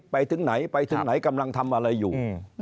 ไปถึงไหนกำลังทำอะไรอยู่